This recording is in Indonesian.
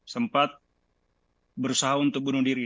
sempat berusaha untuk bunuh diri